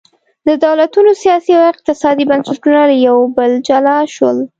د دولتونو سیاسي او اقتصادي بنسټونه له یو بل جلا شول.